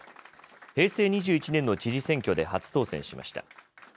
平成２１年の知事選挙で初当選しました。